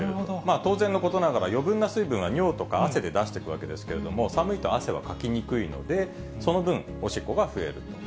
当然のことながら、余分な水分は尿とか汗で出していくわけですけども、寒いと汗はかきにくいので、その分、おしっこが増えると。